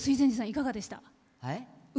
いかがでした？